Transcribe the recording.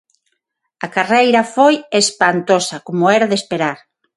A carreira foi espantosa, como era de esperar.